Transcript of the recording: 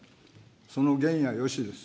その言やよしです。